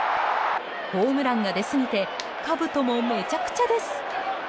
ホームランが出すぎてかぶともめちゃくちゃです。